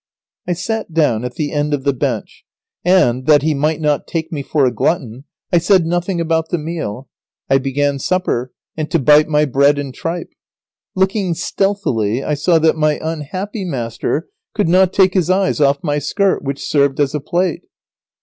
I sat down at the end of the bench, and, that he might not take me for a glutton, I said nothing about the meal. I began supper, and to bite my bread and tripe. [Sidenote: The esquire longs for a share of Lazaro's supper.] Looking stealthily I saw that my unhappy master could not take his eyes off my skirt, which served as a plate.